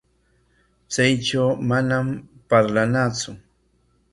Chaynaw manam parlanatsu.